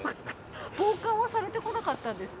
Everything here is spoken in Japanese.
防寒はされてこなかったんですか？